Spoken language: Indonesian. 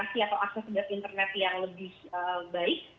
jadi ya adanya penetrasi atau akses internet yang lebih baik